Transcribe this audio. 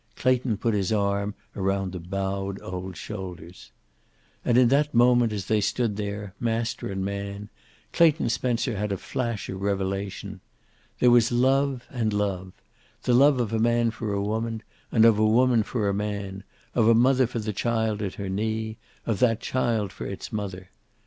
Clayton put his arm around the bowed old shoulders. And in that moment, as they stood there, master and man, Clayton Spencer had a flash of revelation. There was love and love. The love of a man for a woman, and of a woman for a man, of a mother for the child at her knee, of that child for its mother.